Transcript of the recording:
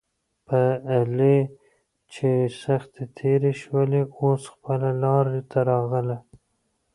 په علي چې سختې تېرې شولې اوس خپله لارې ته راغی.